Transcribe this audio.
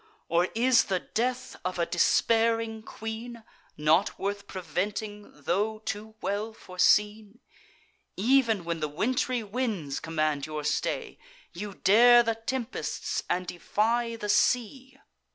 Or is the death of a despairing queen Not worth preventing, tho' too well foreseen? Ev'n when the wintry winds command your stay, You dare the tempests, and defy the sea.